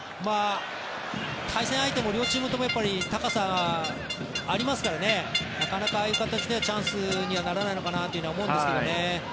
対戦相手も両チームとも高さがありますからねなかなかああいう形ではチャンスにはならないのかなと思うんですけどね。